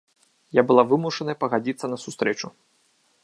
Я была вымушаная пагадзіцца на сустрэчу.